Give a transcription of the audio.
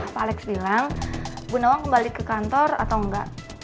pak alex bilang ibu nowang kembali ke kantor atau enggak